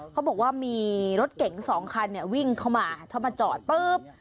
เขาบอกว่ามีรถเก๋ง๒คันวิ่งเข้ามาเขามาจอดปึ๊บ